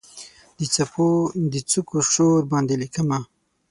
د څپو د څوکو شور باندې لیکمه